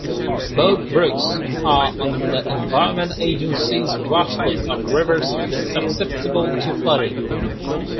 Both brooks are on the Environment Agency's watch list of rivers susceptible to flooding.